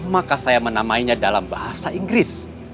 maka saya menamainya dalam bahasa inggris